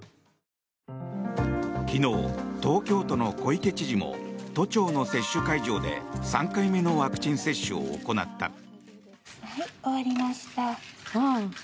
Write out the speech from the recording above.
昨日、東京都の小池知事も都庁の接種会場で３回目のワクチン接種を行った。